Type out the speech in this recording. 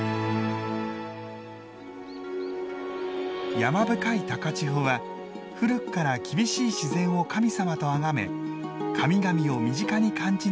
山深い高千穂は古くから厳しい自然を神様と崇め神々を身近に感じながら暮らしてきました。